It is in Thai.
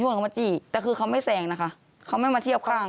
แล้วต้องเกลียบแล้ว